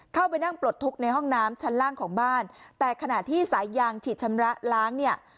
เข้าไปนั่งปลดทุกข์ในห้องน้ำชั้นล่างของบ้านแต่ขณะที่สายยางฉีดชำระล้างเนี่ย